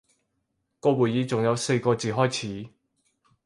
個會議仲有四個字開始